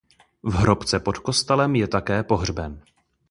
V hrobce pod kostelem je také pohřben.